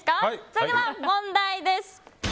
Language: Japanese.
それでは問題です。